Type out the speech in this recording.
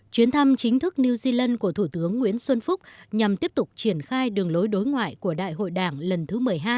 chuyến thăm chính thức new zealand của thủ tướng nguyễn xuân phúc nhằm tiếp tục triển khai đường lối đối ngoại của đại hội đảng lần thứ một mươi hai